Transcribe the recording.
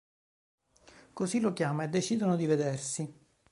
Così lo chiama e decidono di vedersi.